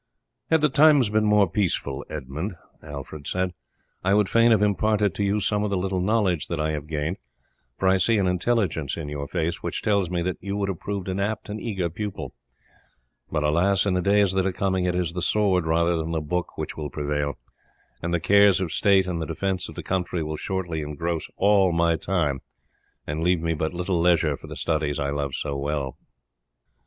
"Had the times been more peaceful, Edmund," Alfred said, "I would fain have imparted to you some of the little knowledge that I have gained, for I see an intelligence in your face which tells me that you would have proved an apt and eager pupil; but, alas, in the days that are coming it is the sword rather than the book which will prevail, and the cares of state, and the defence of the country, will shortly engross all my time and leave me but little leisure for the studies I love so well."